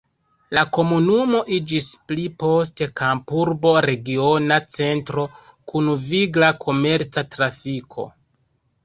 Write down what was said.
La komunumo iĝis pli poste kampurbo regiona centro kun vigla komerca trafiko.